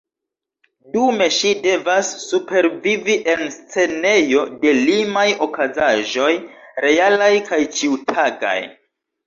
Dume ŝi devas supervivi en scenejo de limaj okazaĵoj, realaj kaj ĉiutagaj.